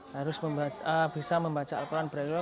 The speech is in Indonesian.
harus bisa membaca al quran braille